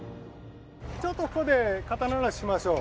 ちょっとここでかたならししましょう。